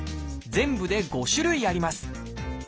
全部で５種類あります。